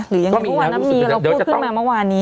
หรืออย่างไรตอนนั้นมีกับเราพูดขึ้นมาเมื่อวานนี้